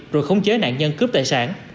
rồi khống chế nạn nhân cướp tài sản